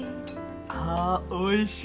あおいしい！